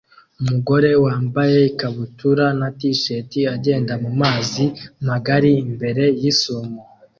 Umugore wambaye ikabutura na t-shirt agenda mumazi magari imbere yisumo